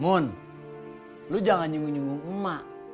mun lu jangan nyungung nyungung emak